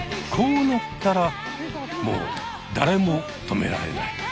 こうなったらもうだれも止められない。